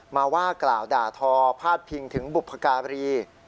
มาว่ากล่าวด่าทอพาดพิงถึงบุพการี